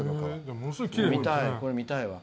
見たいわ。